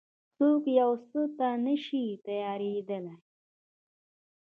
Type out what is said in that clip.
څوک يو څه ته نه شي تيارېدای.